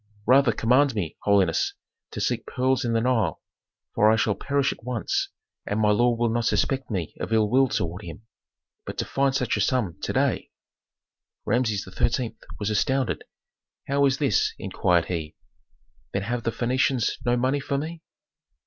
"Rather command me, holiness, to seek pearls in the Nile, for I shall perish at once, and my lord will not suspect me of ill will toward him. But to find such a sum to day!" Rameses XIII. was astounded. "How is this?" inquired he. "Then have the Phœnicians no money for me?"